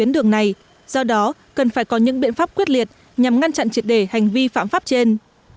do đó cần phải có những biện pháp quyết liệt nhằm ngăn chặn triệt đề hành vi phạm pháp trên